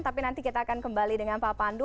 tapi nanti kita akan kembali dengan pak pandu